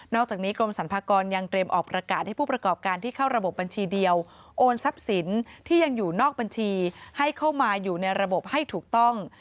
อกจากนี้กรมสรรพากรยังเตรียมออกประกาศให้ผู้ประกอบการที่เข้าระบบบัญชีเดียวโอนทรัพย์สินที่ยังอยู่นอกบัญชีให้เข้ามาอยู่ในระบบให้ถูกต้อง